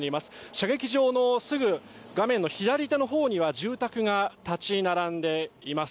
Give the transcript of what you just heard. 射撃場のすぐ画面の左手のほうには住宅が建ち並んでいます。